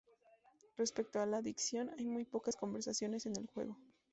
Respecto a la dicción, hay muy pocas conversaciones en el juego.